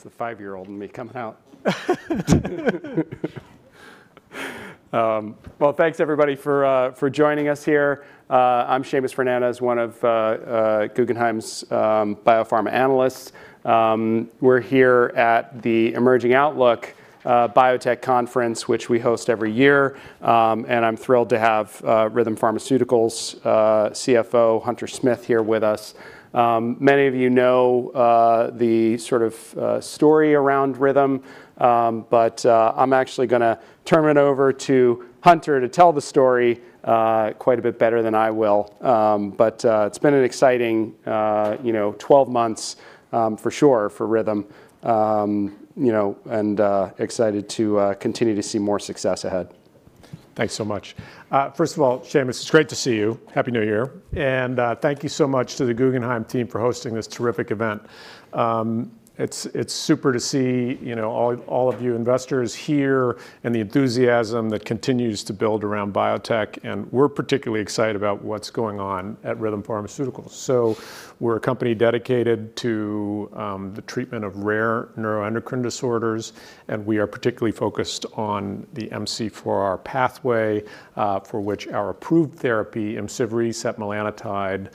That's the five-year-old in me coming out. Well, thanks everybody for joining us here. I'm Seamus Fernandez, one of Guggenheim's Biopharma analysts. We're here at the Emerging Outlook Biotech Conference, which we host every year. And I'm thrilled to have Rhythm Pharmaceuticals CFO Hunter Smith here with us. Many of you know the sort of story around Rhythm. But I'm actually gonna turn it over to Hunter to tell the story, quite a bit better than I will. But it's been an exciting, you know, 12 months, for sure for Rhythm. You know, and excited to continue to see more success ahead. Thanks so much. First of all, Seamus, it's great to see you. Happy New Year. Thank you so much to the Guggenheim team for hosting this terrific event. It's super to see, you know, all of you investors here and the enthusiasm that continues to build around biotech. We're particularly excited about what's going on at Rhythm Pharmaceuticals. We're a company dedicated to the treatment of rare neuroendocrine disorders. We are particularly focused on the MC4R pathway, for which our approved therapy, IMCIVREE (setmelanotide),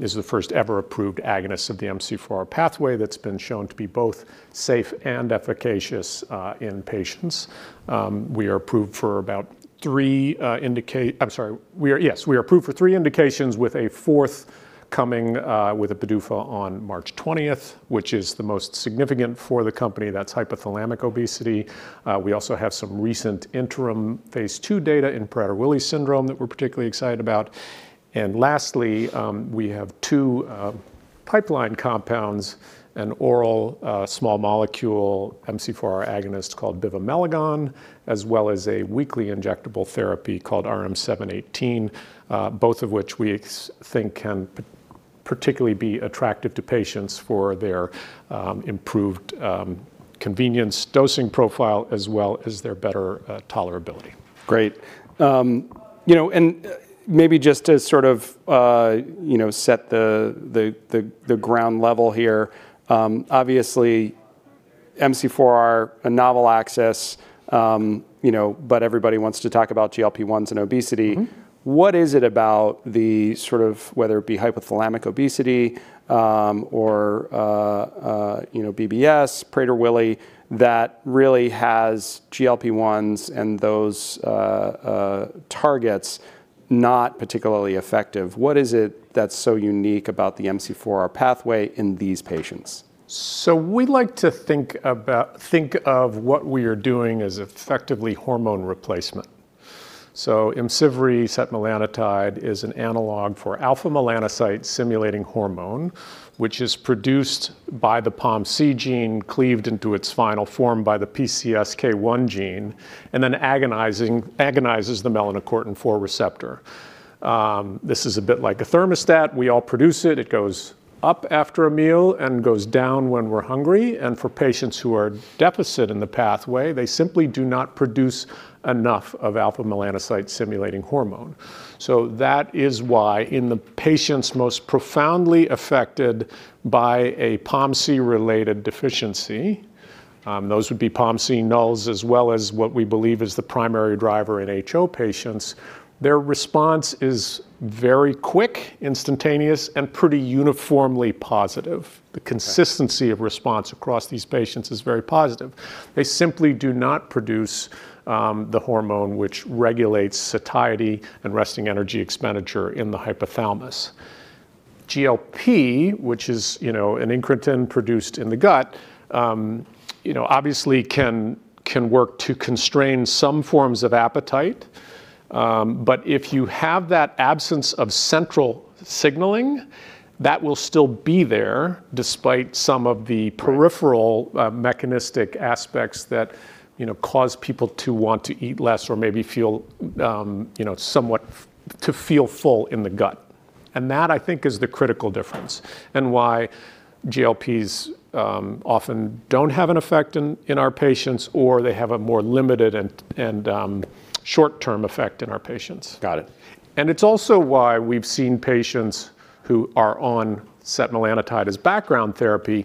is the first-ever approved agonist of the MC4R pathway that's been shown to be both safe and efficacious in patients. We are approved for about three indications. I'm sorry. We are approved for three indications with a fourth coming, with a PDUFA on March 20th, which is the most significant for the company. That's hypothalamic obesity. We also have some recent interim phase II data in Prader-Willi syndrome that we're particularly excited about. And lastly, we have two pipeline compounds, an oral small molecule MC4R agonist called bivamelagon, as well as a weekly injectable therapy called RM-718, both of which we think can particularly be attractive to patients for their improved convenience dosing profile as well as their better tolerability. Great. You know, and maybe just to sort of, you know, set the ground level here, obviously MC4R, a novel asset, you know, but everybody wants to talk about GLP-1s and obesity. What is it about the sort of whether it be hypothalamic obesity, or, you know, BBS, Prader-Willi, that really has GLP-1s and those targets not particularly effective? What is it that's so unique about the MC4R pathway in these patients? So we like to think of what we are doing as effectively hormone replacement. So IMCIVREE setmelanotide is an analog for alpha-melanocyte-stimulating hormone, which is produced by the POMC gene cleaved into its final form by the PCSK1 gene and then agonizes the melanocortin-4 receptor. This is a bit like a thermostat. We all produce it. It goes up after a meal and goes down when we're hungry. And for patients who are deficient in the pathway, they simply do not produce enough of alpha-melanocyte-stimulating hormone. So that is why in the patients most profoundly affected by a POMC-related deficiency, those would be POMC nulls as well as what we believe is the primary driver in HO patients, their response is very quick, instantaneous, and pretty uniformly positive. The consistency of response across these patients is very positive. They simply do not produce the hormone which regulates satiety and resting energy expenditure in the hypothalamus. GLP, which is, you know, an incretin produced in the gut, you know, obviously can work to constrain some forms of appetite. But if you have that absence of central signaling, that will still be there despite some of the peripheral, mechanistic aspects that, you know, cause people to want to eat less or maybe feel, you know, somewhat to feel full in the gut. And that, I think, is the critical difference and why GLPs often don't have an effect in our patients or they have a more limited and short-term effect in our patients. Got it. It's also why we've seen patients who are on setmelanotide as background therapy,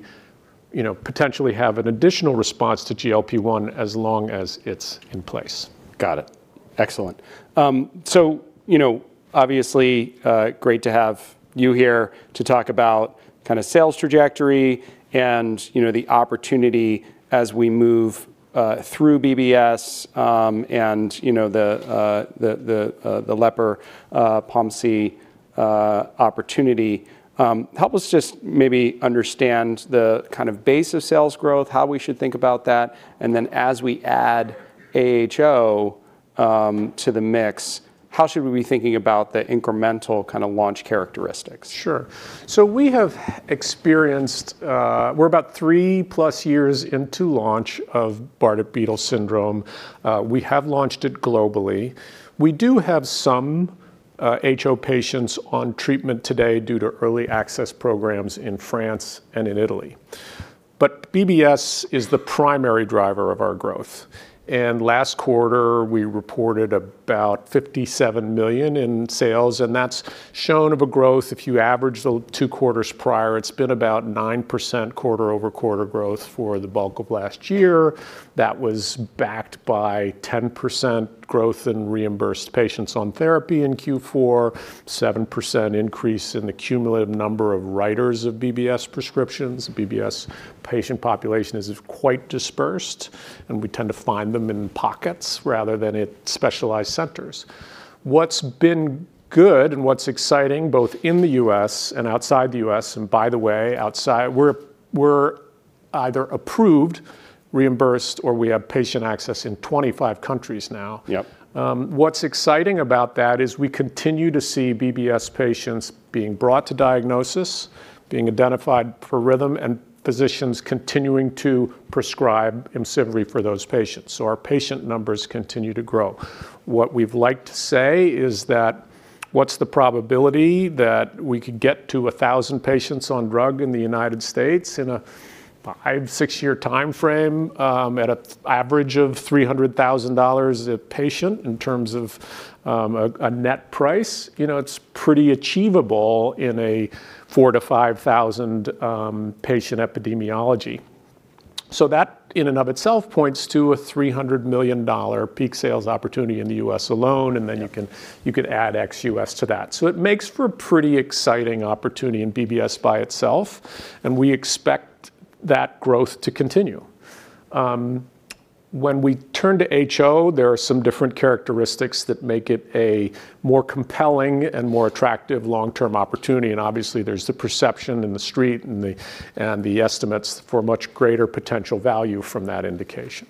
you know, potentially have an additional response to GLP-1 as long as it's in place. Got it. Excellent. So, you know, obviously, great to have you here to talk about kind of sales trajectory and, you know, the opportunity as we move through BBS, and, you know, the LEPR, POMC opportunity. Help us just maybe understand the kind of base of sales growth, how we should think about that. And then as we add AHO to the mix, how should we be thinking about the incremental kind of launch characteristics? Sure. So we have experienced, we're about three plus years into launch of Bardet-Biedl syndrome. We have launched it globally. We do have some, HO patients on treatment today due to early access programs in France and in Italy. But BBS is the primary driver of our growth. And last quarter we reported about $57 million in sales. And that's shown of a growth if you average the two quarters prior, it's been about 9% quarter-over-quarter growth for the bulk of last year. That was backed by 10% growth in reimbursed patients on therapy in Q4, 7% increase in the cumulative number of writers of BBS prescriptions. BBS patient population is quite dispersed, and we tend to find them in pockets rather than at specialized centers. What's been good and what's exciting both in the U.S. and outside the U.S., and by the way, outside we're either approved, reimbursed, or we have patient access in 25 countries now. Yep. What's exciting about that is we continue to see BBS patients being brought to diagnosis, being identified for Rhythm, and physicians continuing to prescribe IMCIVREE for those patients. So our patient numbers continue to grow. What we've liked to say is that what's the probability that we could get to 1,000 patients on drug in the United States in a 5-6-year time frame, at an average of $300,000 a patient in terms of a net price? You know, it's pretty achievable in a 4,000-5,000-patient epidemiology. So that in and of itself points to a $300 million peak sales opportunity in the U.S. alone. And then you can add ex-U.S. to that. So it makes for a pretty exciting opportunity in BBS by itself. And we expect that growth to continue. When we turn to HO, there are some different characteristics that make it a more compelling and more attractive long-term opportunity. And obviously there's the perception in the street and the estimates for much greater potential value from that indication.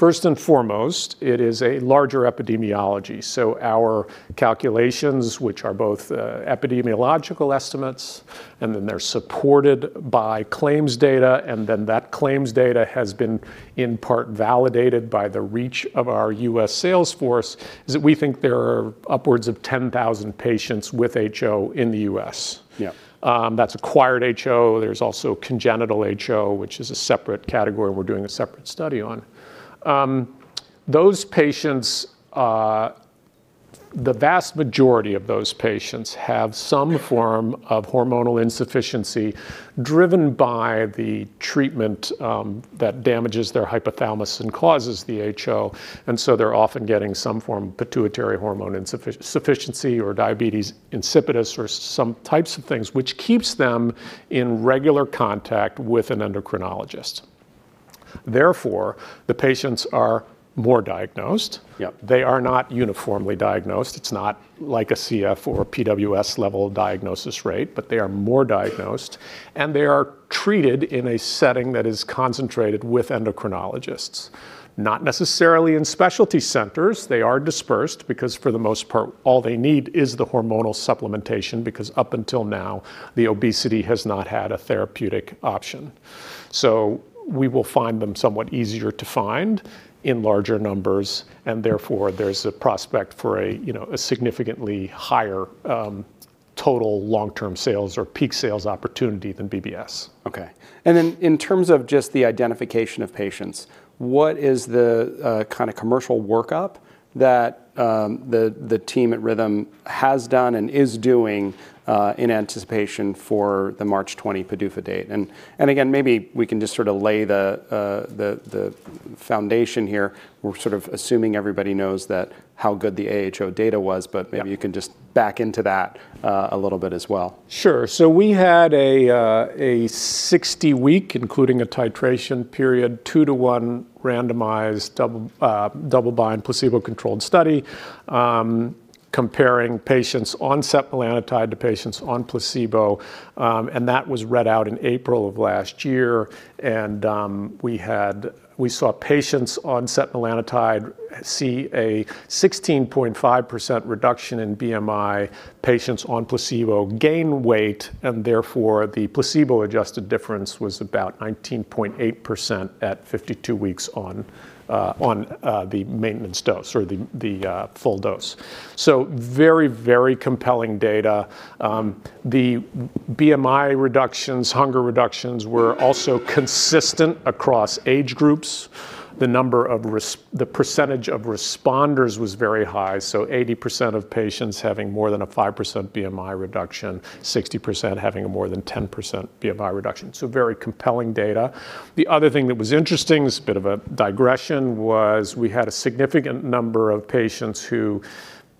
First and foremost, it is a larger epidemiology. So our calculations, which are both epidemiological estimates, and then they're supported by claims data. And then that claims data has been in part validated by the reach of our U.S. sales force, is that we think there are upwards of 10,000 patients with HO in the U.S. Yeah. That's acquired HO. There's also congenital HO, which is a separate category we're doing a separate study on. Those patients, the vast majority of those patients have some form of hormonal insufficiency driven by the treatment, that damages their hypothalamus and causes the HO. And so they're often getting some form of pituitary hormone insufficiency or diabetes insipidus or some types of things, which keeps them in regular contact with an endocrinologist. Therefore, the patients are more diagnosed. Yep. They are not uniformly diagnosed. It's not like a CF or PWS level diagnosis rate, but they are more diagnosed and they are treated in a setting that is concentrated with endocrinologists, not necessarily in specialty centers. They are dispersed because for the most part all they need is the hormonal supplementation, because up until now the obesity has not had a therapeutic option. So we will find them somewhat easier to find in larger numbers. And therefore there's a prospect for a, you know, a significantly higher, total long-term sales or peak sales opportunity than BBS. Okay. And then in terms of just the identification of patients, what is the kind of commercial workup that the team at Rhythm has done and is doing, in anticipation for the March 20 PDUFA date? And again, maybe we can just sort of lay the foundation here. We're sort of assuming everybody knows how good the AHO data was, but maybe you can just back into that a little bit as well. Sure. So we had a 60-week, including a titration period, 2-to-1 randomized double-blind placebo-controlled study, comparing patients on setmelanotide to patients on placebo. That was read out in April of last year. We saw patients on setmelanotide see a 16.5% reduction in BMI, patients on placebo gain weight, and therefore the placebo-adjusted difference was about 19.8% at 52 weeks on the maintenance dose or the full dose. So very, very compelling data. The BMI reductions, hunger reductions were also consistent across age groups. The number of the percentage of responders was very high, so 80% of patients having more than a 5% BMI reduction, 60% having a more than 10% BMI reduction. So very compelling data. The other thing that was interesting, it's a bit of a digression, was we had a significant number of patients who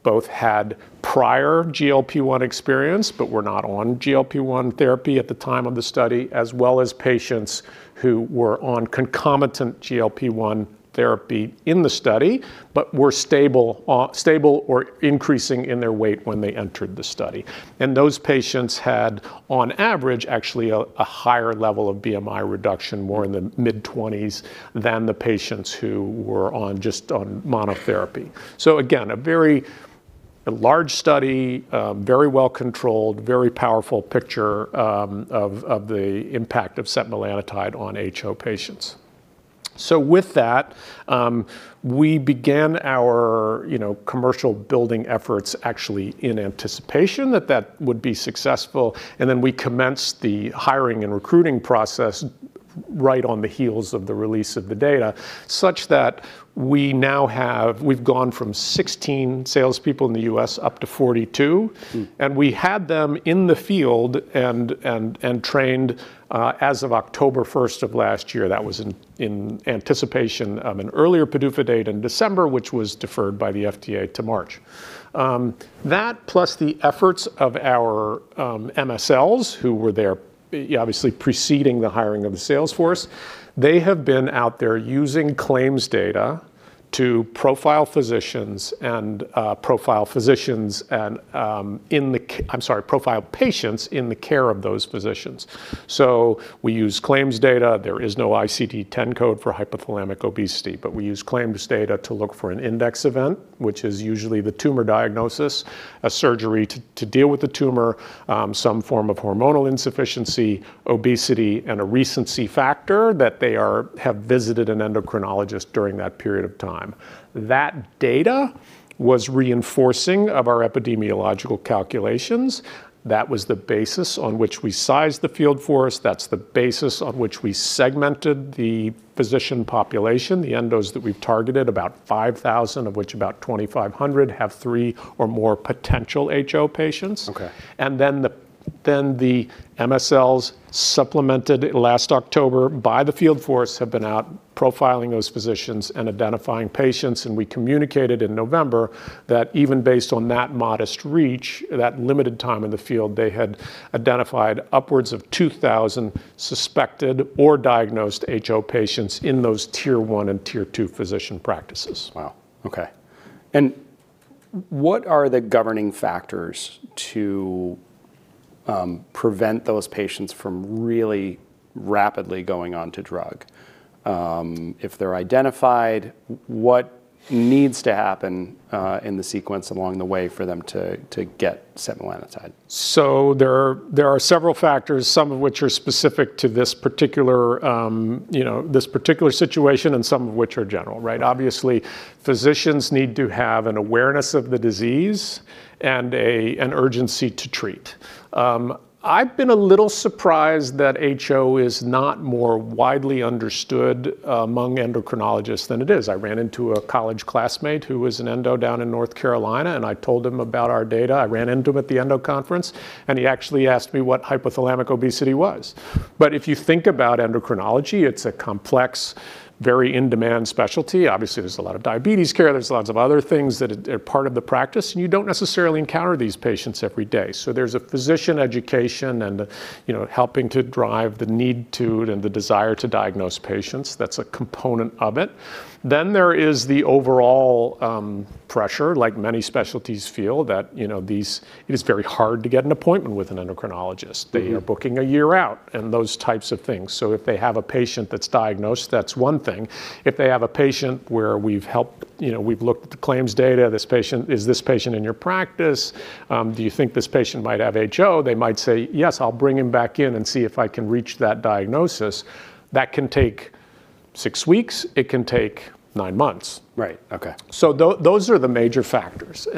both had prior GLP-1 experience but were not on GLP-1 therapy at the time of the study, as well as patients who were on concomitant GLP-1 therapy in the study but were stable or increasing in their weight when they entered the study. And those patients had, on average, actually a higher level of BMI reduction, more in the mid-20s than the patients who were on just on monotherapy. So again, a very large study, very well controlled, very powerful picture, of the impact of setmelanotide on HO patients. So with that, we began our, you know, commercial building efforts actually in anticipation that that would be successful. And then we commenced the hiring and recruiting process right on the heels of the release of the data, such that we now have gone from 16 salespeople in the U.S. up to 42, and we had them in the field and trained, as of October 1st of last year. That was in anticipation of an earlier PDUFA date in December, which was deferred by the FDA to March. That plus the efforts of our MSLs who were there, obviously preceding the hiring of the sales force, they have been out there using claims data to profile patients in the care of those physicians. So we use claims data. There is no ICD-10 code for hypothalamic obesity, but we use claims data to look for an index event, which is usually the tumor diagnosis, a surgery to deal with the tumor, some form of hormonal insufficiency, obesity, and a recency factor that they have visited an endocrinologist during that period of time. That data was reinforcing of our epidemiological calculations. That was the basis on which we sized the field for us. That's the basis on which we segmented the physician population, the endos that we've targeted, about 5,000, of which about 2,500 have three or more potential HO patients. Okay. Then the MSLs supplemented last October by the field force have been out profiling those physicians and identifying patients. We communicated in November that even based on that modest reach, that limited time in the field, they had identified upwards of 2,000 suspected or diagnosed HO patients in those tier one and tier two physician practices. Wow. Okay. And what are the governing factors to prevent those patients from really rapidly going on to drug? If they're identified, what needs to happen in the sequence along the way for them to get setmelanotide? So there are several factors, some of which are specific to this particular, you know, this particular situation and some of which are general. Right. Obviously, physicians need to have an awareness of the disease and an urgency to treat. I've been a little surprised that HO is not more widely understood among endocrinologists than it is. I ran into a college classmate who was an endo down in North Carolina, and I told him about our data. I ran into him at the endo conference, and he actually asked me what hypothalamic obesity was. But if you think about endocrinology, it's a complex, very in-demand specialty. Obviously, there's a lot of diabetes care. There's lots of other things that are part of the practice, and you don't necessarily encounter these patients every day. So there's a physician education and, you know, helping to drive the need to and the desire to diagnose patients. That's a component of it. Then there is the overall pressure, like many specialties feel, that, you know, it is very hard to get an appointment with an endocrinologist. They are booking a year out and those types of things. So if they have a patient that's diagnosed, that's one thing. If they have a patient where we've helped, you know, we've looked at the claims data, this patient, is this patient in your practice? Do you think this patient might have HO? They might say, yes, I'll bring him back in and see if I can reach that diagnosis. That can take six weeks. It can take nine months. Right. Okay. So those are the major factors.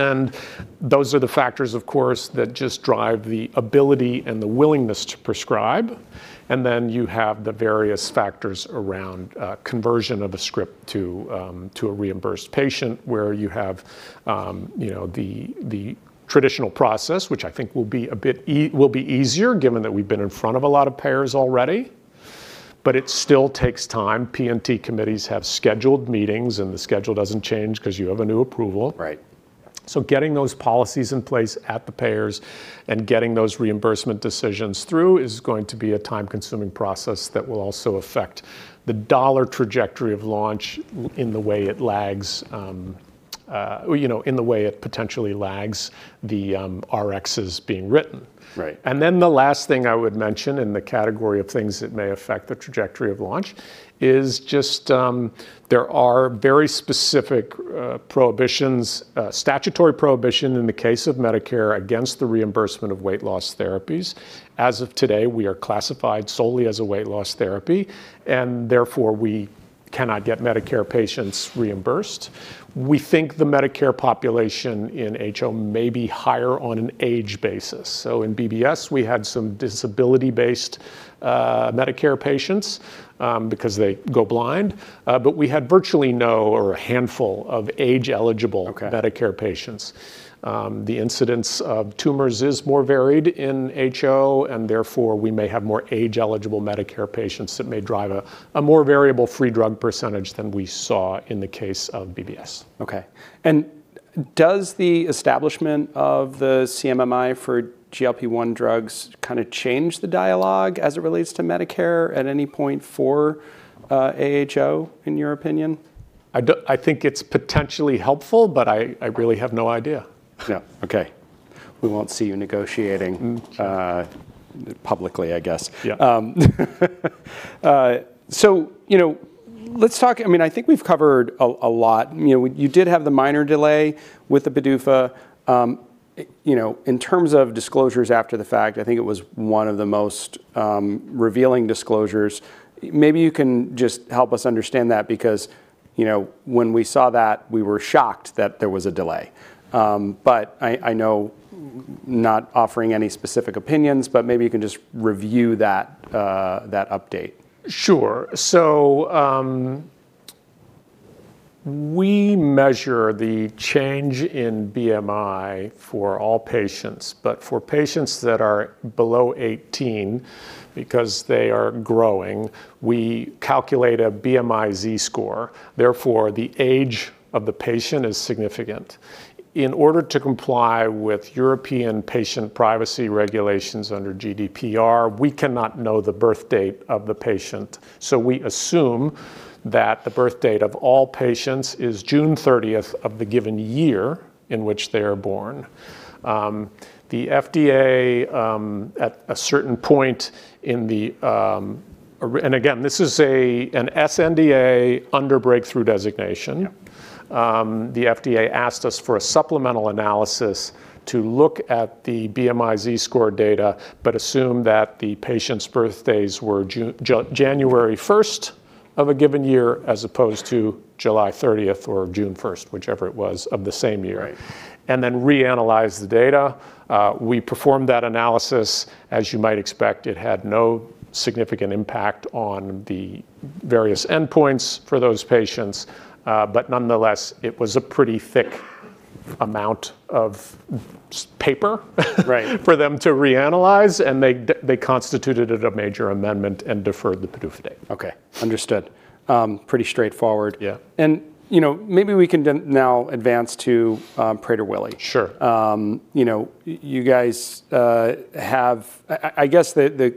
Those are the factors, of course, that just drive the ability and the willingness to prescribe. Then you have the various factors around conversion of a script to a reimbursed patient where you have, you know, the traditional process, which I think will be a bit easier given that we've been in front of a lot of payers already, but it still takes time. P&T committees have scheduled meetings, and the schedule doesn't change because you have a new approval. Right. So getting those policies in place at the payers and getting those reimbursement decisions through is going to be a time-consuming process that will also affect the dollar trajectory of launch in the way it lags, you know, in the way it potentially lags the Rx being written. Right. And then the last thing I would mention in the category of things that may affect the trajectory of launch is just there are very specific prohibitions, a statutory prohibition in the case of Medicare against the reimbursement of weight loss therapies. As of today, we are classified solely as a weight loss therapy, and therefore we cannot get Medicare patients reimbursed. We think the Medicare population in HO may be higher on an age basis. So in BBS, we had some disability-based Medicare patients, because they go blind. But we had virtually no or a handful of age-eligible Medicare patients. The incidence of tumors is more varied in HO, and therefore we may have more age-eligible Medicare patients that may drive a more variable free drug percentage than we saw in the case of BBS. Okay. And does the establishment of the CMMI for GLP-1 drugs kind of change the dialogue as it relates to Medicare at any point for, AHO, in your opinion? I don't think it's potentially helpful, but I really have no idea. Yeah. Okay. We won't see you negotiating, publicly, I guess. Yeah. So, you know, let's talk. I mean, I think we've covered a lot. You know, you did have the minor delay with the PDUFA. You know, in terms of disclosures after the fact, I think it was one of the most revealing disclosures. Maybe you can just help us understand that because, you know, when we saw that, we were shocked that there was a delay. But I know not offering any specific opinions, but maybe you can just review that update. Sure. So, we measure the change in BMI for all patients, but for patients that are below 18 because they are growing, we calculate a BMI Z score. Therefore, the age of the patient is significant. In order to comply with European patient privacy regulations under GDPR, we cannot know the birth date of the patient. So we assume that the birth date of all patients is June 30th of the given year in which they are born. The FDA, at a certain point, and again, this is an sNDA under breakthrough designation. The FDA asked us for a supplemental analysis to look at the BMI Z score data, but assume that the patients' birthdays were January 1st of a given year, as opposed to July 30th or June 1st, whichever it was of the same year, and then reanalyze the data. We performed that analysis. As you might expect, it had no significant impact on the various endpoints for those patients. But nonetheless, it was a pretty thick amount of paper, right, for them to reanalyze, and they constituted a major amendment and deferred the PDUFA date. Okay. Understood. Pretty straightforward. Yeah. You know, maybe we can now advance to Prader-Willi. Sure. You know, you guys have, I guess, that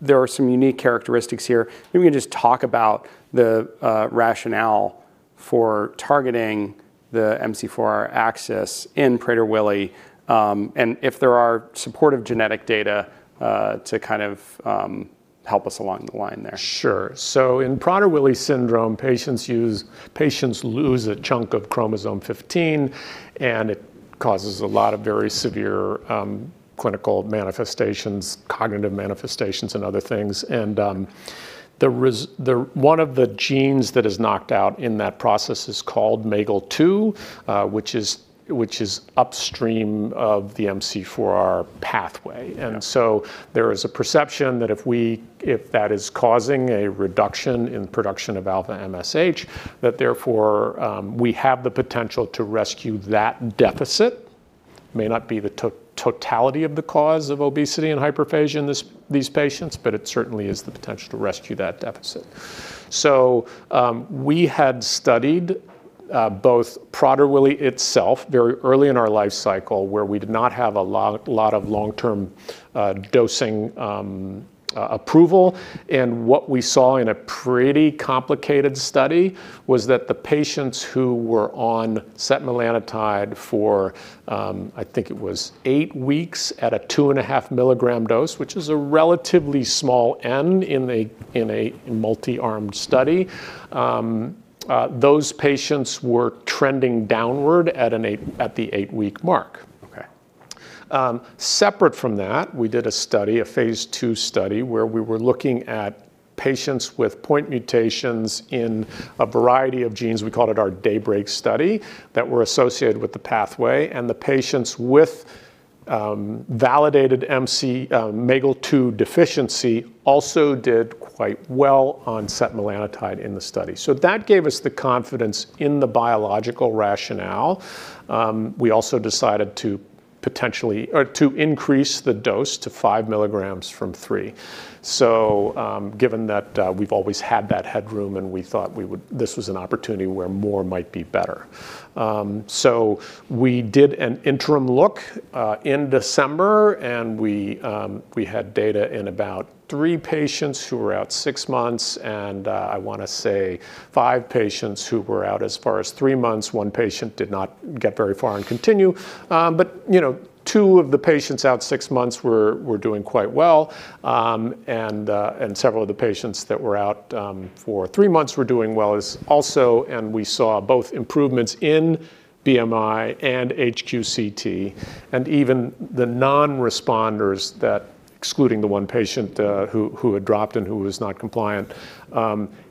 there are some unique characteristics here. Maybe we can just talk about the rationale for targeting the MC4R axis in Prader-Willi. And if there are supportive genetic data to kind of help us along the line there. Sure. So in Prader-Willi syndrome, patients lose a chunk of chromosome 15, and it causes a lot of very severe clinical manifestations, cognitive manifestations, and other things. And there is one of the genes that is knocked out in that process is called MAGEL2, which is upstream of the MC4R pathway. And so there is a perception that if that is causing a reduction in production of alpha-MSH, that therefore we have the potential to rescue that deficit. It may not be the totality of the cause of obesity and hyperphagia in these patients, but it certainly is the potential to rescue that deficit. So we had studied both Prader-Willi itself very early in our life cycle where we did not have a lot of long-term dosing approval. What we saw in a pretty complicated study was that the patients who were on setmelanotide for, I think it was eight weeks at a 2.5 mg dose, which is a relatively small end in a multi-armed study. Those patients were trending downward at the 8-week mark. Okay. Separate from that, we did a study, a phase II study where we were looking at patients with point mutations in a variety of genes. We called it our Daybreak study that were associated with the pathway. And the patients with validated MC4R, MAGEL2 deficiency also did quite well on setmelanotide in the study. So that gave us the confidence in the biological rationale. We also decided to potentially or to increase the dose to 5 mg from 3 mg. So, given that, we've always had that headroom and we thought we would this was an opportunity where more might be better. So we did an interim look in December and we had data in about three patients who were out six months and I want to say five patients who were out as far as three months. One patient did not get very far and continue. But, you know, two of the patients out six months were doing quite well. And several of the patients that were out for three months were doing well as well. And we saw both improvements in BMI and HQ-CT, and even the non-responders, excluding the one patient who had dropped and who was not compliant,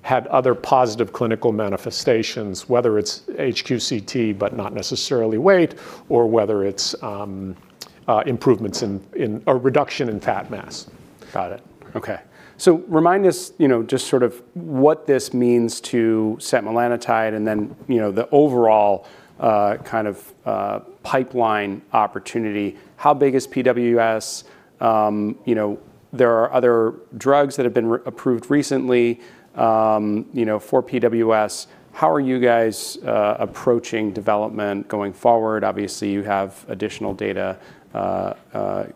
had other positive clinical manifestations, whether it's HQ-CT but not necessarily weight or whether it's improvements in a reduction in fat mass. Got it. Okay. So remind us, you know, just sort of what this means to setmelanotide and then, you know, the overall, kind of, pipeline opportunity. How big is PWS? You know, there are other drugs that have been approved recently, you know, for PWS. How are you guys approaching development going forward? Obviously, you have additional data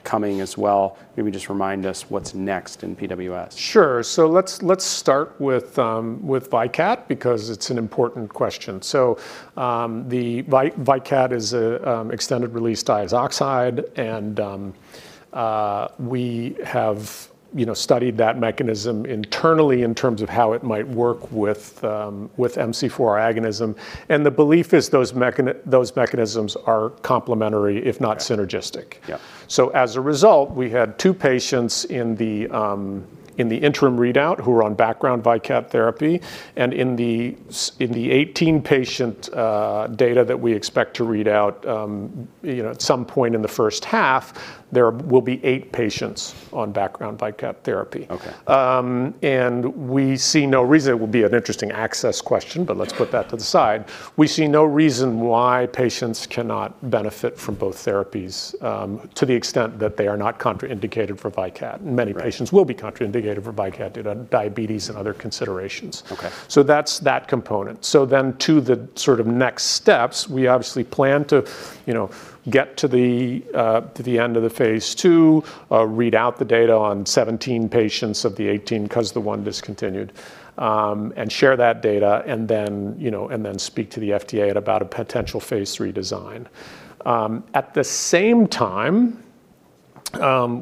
coming as well. Maybe just remind us what's next in PWS. Sure. Let's start with VICAD because it's an important question. The VICAD is an extended-release diazoxide and we have, you know, studied that mechanism internally in terms of how it might work with MC4R agonism. The belief is those mechanisms are complementary, if not synergistic. Yeah. As a result, we had two patients in the interim readout who were on background VICAD therapy and in the 18-patient data that we expect to read out, you know, at some point in the first half, there will be eight patients on background VICAD therapy. Okay. We see no reason—it will be an interesting access question, but let's put that to the side. We see no reason why patients cannot benefit from both therapies, to the extent that they are not contraindicated for VICAD. Many patients will be contraindicated for VICAD due to diabetes and other considerations. Okay. So that's that component. So then to the sort of next steps, we obviously plan to, you know, get to the end of the phase II, read out the data on 17 patients of the 18 because the one discontinued, and share that data and then, you know, and then speak to the FDA about a potential phase III design. At the same time,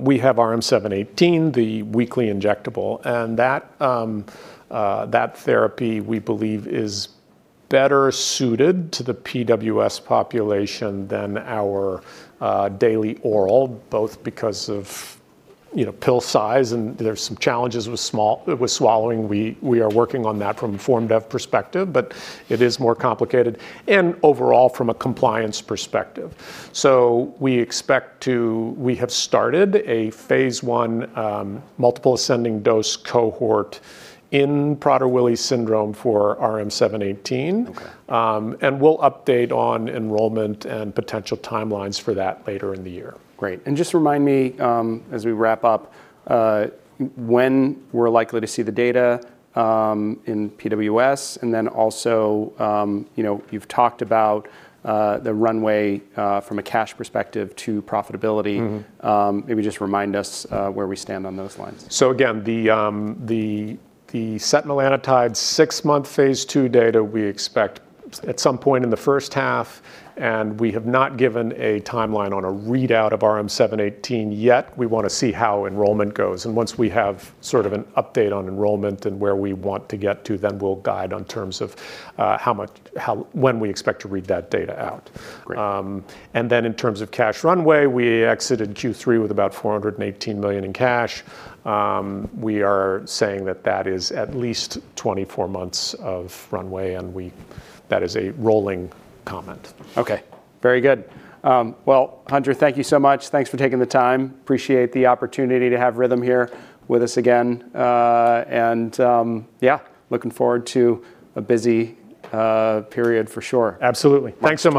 we have RM-718, the weekly injectable, and that therapy we believe is better suited to the PWS population than our daily oral, both because of, you know, pill size and there's some challenges with small with swallowing. We are working on that from a form dev perspective, but it is more complicated and overall from a compliance perspective. So we have started a phase I, multiple ascending dose cohort in Prader-Willi syndrome for RM-718. Okay. We'll update on enrollment and potential timelines for that later in the year. Great. Just remind me, as we wrap up, when we're likely to see the data in PWS and then also, you know, you've talked about the runway from a cash perspective to profitability. Maybe just remind us where we stand on those lines. So again, the setmelanotide six-month phase II data we expect at some point in the first half, and we have not given a timeline on a readout of RM-718 yet. We want to see how enrollment goes. And once we have sort of an update on enrollment and where we want to get to, then we'll guide on terms of, how much, how when we expect to read that data out. Great. Then in terms of cash runway, we exited Q3 with about $418 million in cash. We are saying that that is at least 24 months of runway and that is a rolling comment. Okay. Very good. Well, Hunter, thank you so much. Thanks for taking the time. Appreciate the opportunity to have Rhythm here with us again. Yeah, looking forward to a busy period for sure. Absolutely. Thanks so much.